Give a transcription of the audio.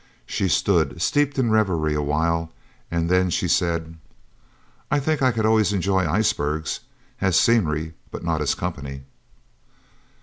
She stood, steeped in reverie, a while, and then she said: "I think I could always enjoy icebergs as scenery but not as company."